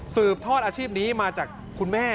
ทอดอาชีพนี้มาจากคุณแม่